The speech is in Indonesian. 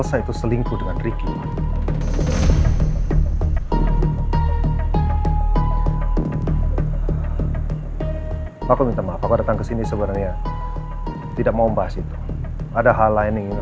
aku minta maaf aku datang ke sini sebenarnya tidak mau membahas itu ada hal lain yang ingin